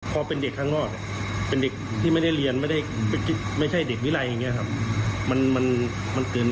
ยิ่งจะเป็นถ้าเป็นยาวชนเป็นอะไรอย่างเนี้ยใช่มั้ยครับ